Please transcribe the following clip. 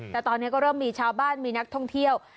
แต่ตอนนี้ก็เริ่มมีชาวบ้านมีนักท่องเที่ยว